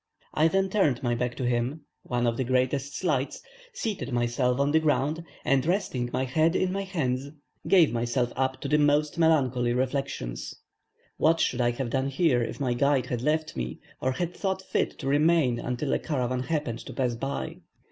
I then turned my back to him (one of the greatest slights), seated myself on the ground, and, resting my head in my hands, gave myself up to the most melancholy reflections. What should I have done here if my guide had left me, or had thought fit to remain until a caravan happened to pass by.